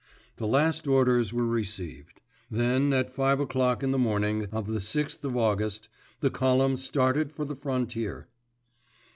The last orders were received. Then, at five o'clock in the morning of the sixth of August, the column started for the frontier.